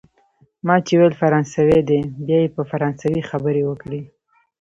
ما چي ویل فرانسوی دی، بیا یې په فرانسوي خبرې وکړې.